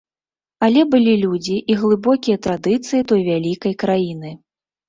Але былі людзі і глыбокія традыцыі той вялікай краіны.